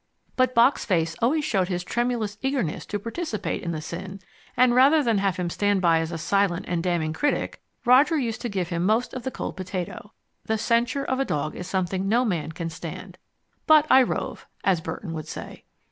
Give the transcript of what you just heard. But Bock's face always showed his tremulous eagerness to participate in the sin, and rather than have him stand by as a silent and damning critic, Roger used to give him most of the cold potato. The censure of a dog is something no man can stand. But I rove, as Burton would say.